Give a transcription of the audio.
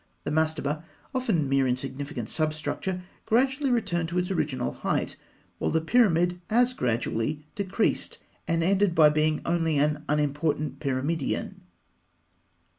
The mastaba often a mere insignificant substructure gradually returned to its original height, while the pyramid as gradually decreased, and ended by being only an unimportant pyramidion (fig.